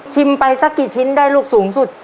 ไปสักกี่ชิ้นได้ลูกสูงสุด